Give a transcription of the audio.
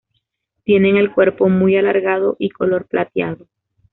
Tienen el cuerpo muy alargado y color plateado.